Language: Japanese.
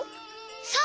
そう！